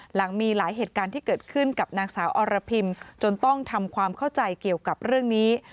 หลังมีหลายเหตุการณ์ที่เกิดขึ้นกับนางสาวอรพิมจนต้องทำความเข้าใจเกี่ยวกับเรื่องนี้